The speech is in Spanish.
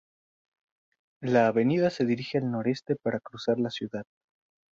La avenida se dirige al noroeste para cruzar la ciudad.